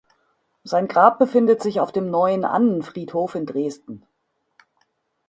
Sein Grab befindet sich auf dem Neuen Annenfriedhof in Dresden.